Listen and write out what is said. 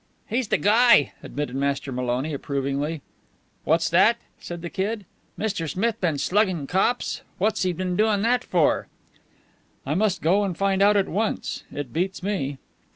"He's de guy!" admitted Master Maloney approvingly. "What's that?" said the Kid. "Mr. Smith been slugging cops! What's he been doin' that for?" "I must go and find out at once. It beats me."